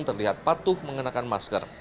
terlihat patuh mengenakan masker